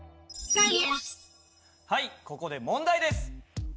はいここで問題です！